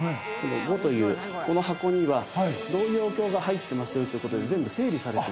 「梧」というこの箱にはどういうお経が入ってますよっていうことで全部整理されています。